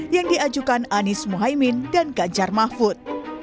yang diajukan anies muhaymin dan ganjar mahfud